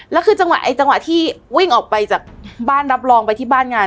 แล้วคือจังหวะที่วิ่งออกไปจากบ้านรับรองไปที่บ้านงาน